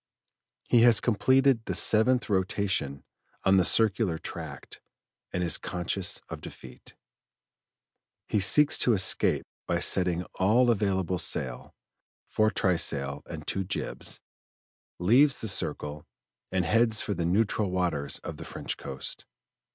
He has completed the seventh rotation on the circular tract and is conscious of defeat. He seeks to escape by setting all available sail (foretrysail and two jibs), leaves the circle and heads for the neutral waters of the French coast.